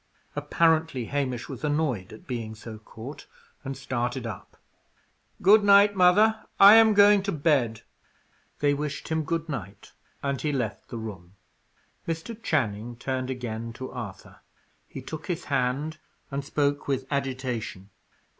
Apparently, Hamish was annoyed at being so caught, and started up. "Good night, mother. I am going to bed." They wished him good night, and he left the room. Mr. Channing turned again to Arthur. He took his hand, and spoke with agitation.